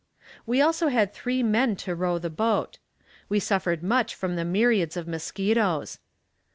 We also had three men to row the boat. We suffered much from the myriads of mosquitoes.